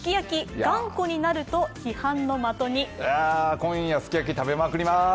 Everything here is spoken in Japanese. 今夜、すき焼き食べまくります。